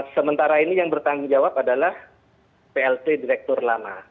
sementara ini yang bertanggung jawab adalah plt direktur lama